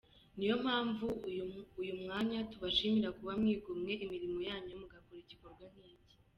Niyo mpamvu uyu mwanya tubashimira kuba mwigomwe imirimo yanyu mugakora igikorwa nk’iki.